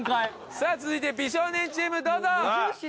さあ続いて美少年チームどうぞ！